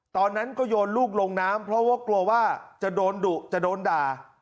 ตอนนั้นก็โยนลูกลงน้ำเพราะว่ากลัวว่าจะโดนดุจะโดนด่า